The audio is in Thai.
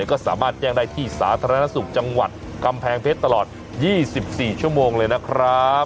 ก็สามารถแจ้งได้ที่สาธารณสุขจังหวัดกำแพงเพชรตลอด๒๔ชั่วโมงเลยนะครับ